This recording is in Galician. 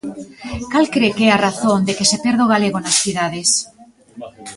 Cal cre que é a razón de que se perda o galego nas cidades?